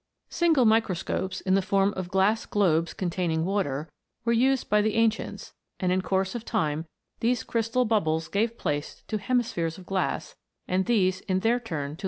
Single microscopes,* in the form of glass globes containing water, were used by the ancients, and in course of time these crystal bubbles gave place to hemispheres of glass, and these in their turn to lenses.